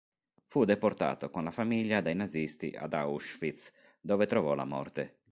Fu deportato con la famiglia dai nazisti ad Auschwitz, dove trovò la morte.